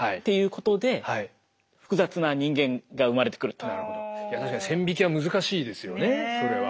ただしそこに確かに線引きは難しいですよねそれは。